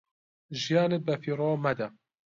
ژیانت بە فیڕۆ مەدە